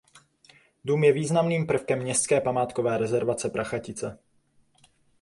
Dům je významným prvkem Městské památkové rezervace Prachatice.